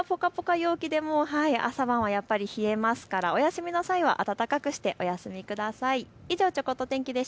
日中はぽかぽか陽気でも朝晩はやっぱり冷えますからお休みの際は暖かくしてお休みください。